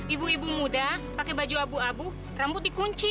ibu ibu muda pakai baju abu abu rambut dikunci